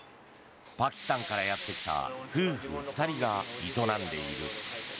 パキスタンからやってきた夫婦２人が営んでいる。